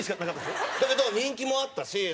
だけど人気もあったし。